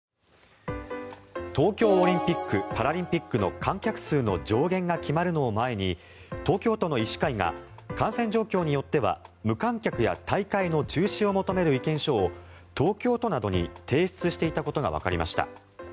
東京オリンピック・パラリンピックの観客数の上限が決まるのを前に東京都の医師会が感染状況によっては無観客や大会の中止を求める意見書を東京都などに提出していたことがわかりました。